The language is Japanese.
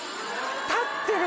立ってる。